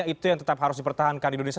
itu yang tetap harus dipertahankan di indonesia